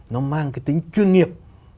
nó mang cái tính chuyên nghiệp